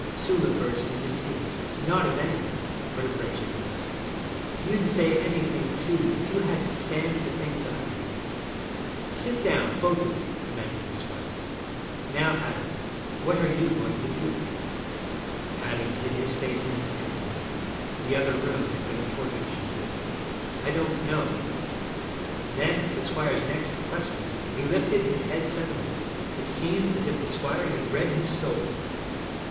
Sula burst into tears, not of anger but of wretchedness. 'You'd say anything, too, if you had to stand the things I did.' 'Sit down, both of you,' commanded the squire. 'Now, Adam, what are you going to do?' Adam hid his face in his hands. The other room had been a torture chamber. 'I don't know.' Then, at the squire's next question, he lifted his head suddenly. It seemed as if the squire had read his soul.